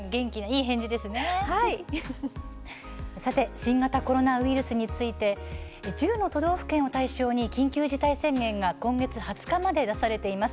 新型コロナウイルスについて１０の都道府県を対象に緊急事態宣言が今月２０日まで出されています。